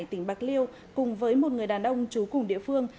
tỉnh bạc liêu cùng với một người đàn ông trú cùng địa phương